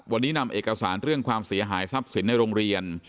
วันนี้นำเอกสารเรื่องความเสียหายทรัพย์สินในโรงเรียน